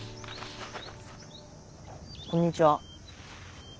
こんにちは。